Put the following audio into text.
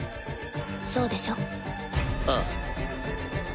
そうでしょ？ああ。